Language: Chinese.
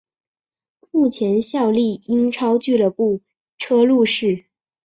目前效力英超俱乐部车路士。